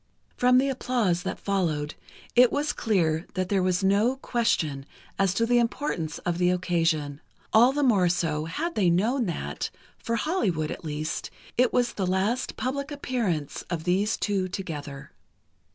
From the applause that followed, it was clear that there was no question as to the importance of the occasion—all the more so, had they known that, for Hollywood, at least, it was the last public appearance of these two together.